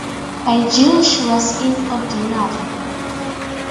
By June she was in Ordinary.